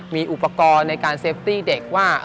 มีอุปกรณ์ในการเซฟตี้เด็กว่า